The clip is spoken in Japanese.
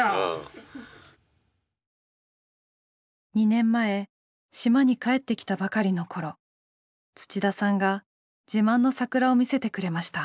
２年前島に帰ってきたばかりの頃土田さんが自慢の桜を見せてくれました。